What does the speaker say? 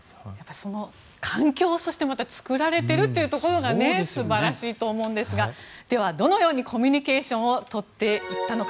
その環境をまた作られていることが素晴らしいと思うんですがでは、どのようにコミュニケーションを取っていったのか。